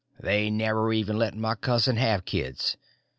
"They never even let my cousin have kids.